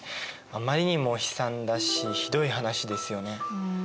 あまりにも悲惨だしひどい話ですよね。